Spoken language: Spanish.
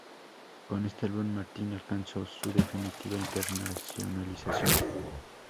Con este álbum Martin alcanzó su definitiva internacionalización.